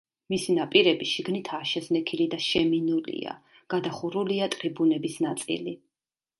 მისი ნაპირები შიგნითაა შეზნექილი და შემინულია, გადახურულია ტრიბუნების ნაწილი.